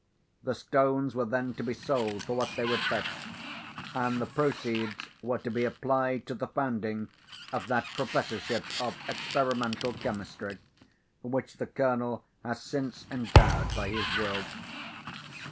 The stones were then to be sold for what they would fetch, and the proceeds were to be applied to the founding of that professorship of experimental chemistry, which the Colonel has since endowed by his Will.